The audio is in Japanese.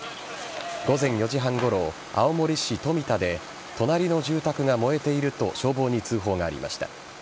午前４時半ごろ、青森市富田で隣の住宅が燃えていると消防に通報がありました。